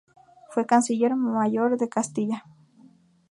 Fue canciller mayor de Castilla.